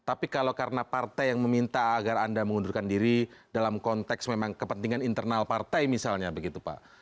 tapi kalau karena partai yang meminta agar anda mengundurkan diri dalam konteks memang kepentingan internal partai misalnya begitu pak